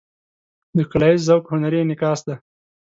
د ښکلاییز ذوق هنري انعکاس دی.